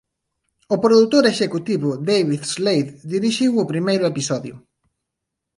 O produtor executivo David Slade dirixiu o primeiro episodio.